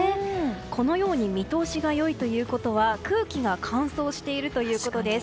このように見通しが良いということは空気が乾燥しているということです。